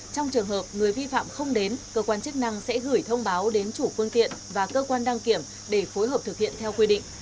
trong trường hợp người vi phạm không đến cơ quan chức năng sẽ gửi thông báo đến chủ phương tiện và cơ quan đăng kiểm để phối hợp thực hiện theo quy định